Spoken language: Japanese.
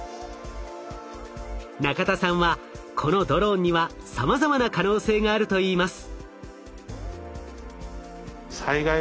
中田さんはこのドローンにはさまざまな可能性があるといいます。